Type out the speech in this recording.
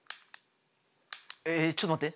えっちょっと待って！